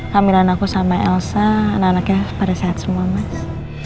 hamilan aku sama elsa anak anaknya pada sehat semua mas